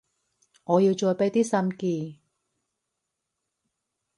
我要再畀啲心機